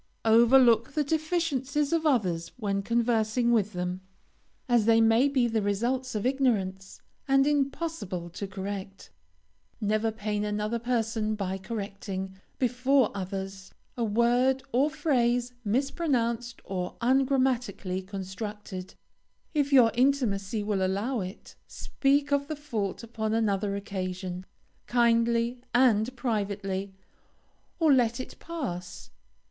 Overlook the deficiencies of others when conversing with them, as they may be the results of ignorance, and impossible to correct. Never pain another person by correcting, before others, a word or phrase mispronounced or ungrammatically constructed. If your intimacy will allow it, speak of the fault upon another occasion, kindly and privately, or let it pass.